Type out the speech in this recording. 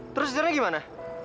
terus jalan jalan gimana